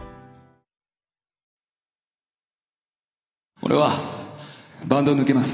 俺はバンドを抜けます。